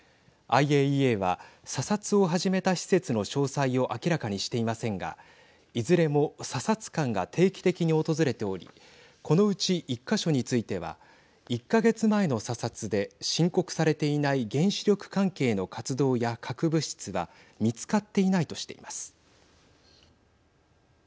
ＩＡＥＡは査察を始めた施設の詳細を明らかにしていませんがいずれも査察官が定期的に訪れておりこのうち１か所については１か月前の査察で申告されていない原子力関係の活動や核物質は見つかっていないとしています。